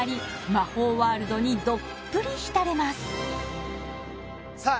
魔法ワールドにどっぷり浸れますさあ